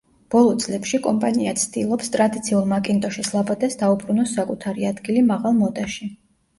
ბოლო წლებში კომპანია ცდილობს ტრადიციულ მაკინტოშის ლაბადას დაუბრუნოს საკუთარი ადგილი მაღალ მოდაში.